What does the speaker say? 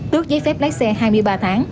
tước giấy phép lái xe hai mươi ba tháng